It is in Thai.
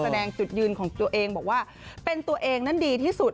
แสดงจุดยืนของตัวเองบอกว่าเป็นตัวเองนั้นดีที่สุด